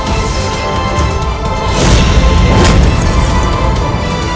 aku tidak mau